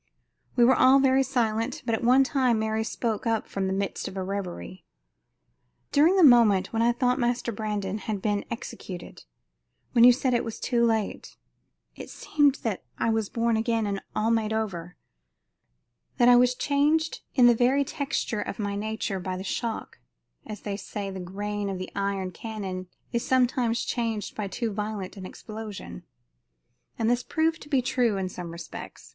We were all very silent, but at one time Mary spoke up from the midst of a reverie: "During the moment when I thought Master Brandon had been executed when you said it was too late it seemed that I was born again and all made over; that I was changed in the very texture of my nature by the shock, as they say the grain of the iron cannon is sometimes changed by too violent an explosion." And this proved to be true in some respects.